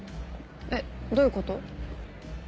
えっどういうこと？